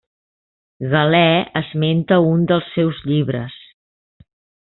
Galè esmenta un dels seus llibres.